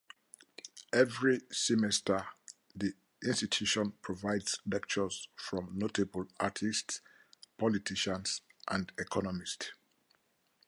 Every semester the institution provides lectures from notable artists, politicians and economists.